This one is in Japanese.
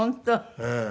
ええ。